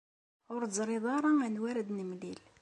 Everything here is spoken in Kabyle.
Ur teẓṛiḍ ara anwa ara d-nemlil.